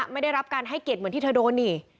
ไม่ได้รับการให้เกียรติเหมือนที่เธอโดนนี่